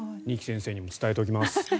二木先生にも伝えておきます。